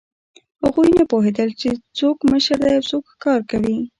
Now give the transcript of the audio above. هغوی نه پوهېدل، چې څوک مشر دی او څوک ښکار کوي.